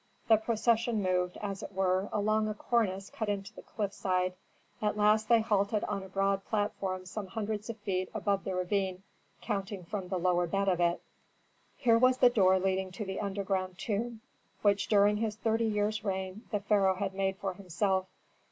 The procession moved, as it were, along a cornice cut into the cliff side; at last they halted on a broad platform some hundreds of feet above the ravine counting from the lower bed of it. Here was the door leading to the underground tomb which during his thirty years' reign the pharaoh had made for himself.